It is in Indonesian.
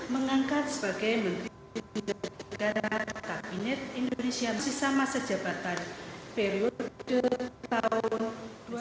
mengangkat sebagai menteri negara kabinet indonesia sisa masa jabatan periode tahun dua ribu sembilan belas